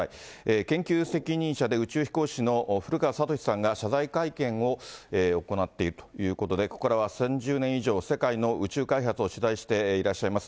研究責任者で宇宙飛行士の古川聡さんが謝罪会見を行っているということで、ここからは３０年以上、世界の宇宙開発を取材していらっしゃいます